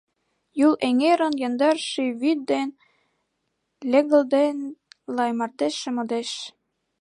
Юл эҥерын яндар ший вӱд ден, Легылден, лай мардежше модеш.